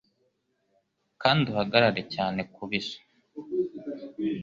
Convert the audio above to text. Kandi uhagarare cyane kubisa.